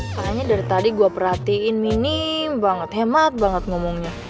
soalnya dari tadi gue perhatiin minim banget hemat banget ngomongnya